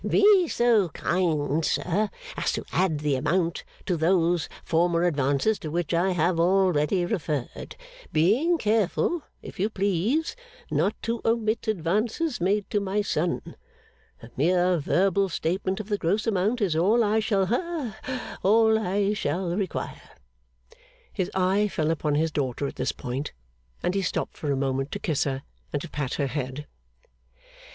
'Be so kind, sir, as to add the amount to those former advances to which I have already referred; being careful, if you please, not to omit advances made to my son. A mere verbal statement of the gross amount is all I shall ha all I shall require.' His eye fell upon his daughter at this point, and he stopped for a moment to kiss her, and to pat her head.